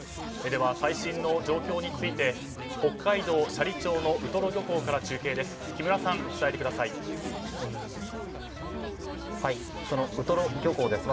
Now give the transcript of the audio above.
最新の状況について北海道斜里町のウトロ漁港から中継です。